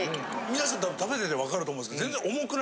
皆さん食べててわかると思うんですけど。